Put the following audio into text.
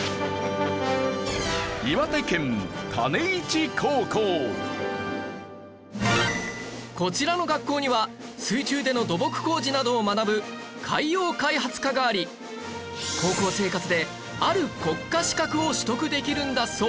岩手県こちらの学校には水中での土木工事などを学ぶ海洋開発科があり高校生活である国家資格を取得できるんだそう